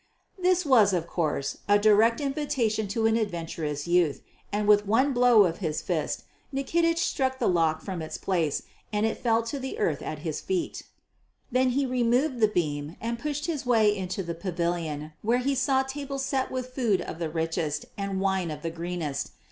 This was, of course, a direct invitation to an adventurous youth, and with one blow of his fist Nikitich struck the lock from its place and it fell to the earth at his feet. Then he removed the beam and pushed his way into the pavilion, where he saw tables set with food of the richest and wine of the greenest.